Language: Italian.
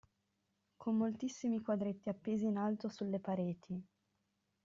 Con moltissimi quadretti appesi in alto sulle pareti.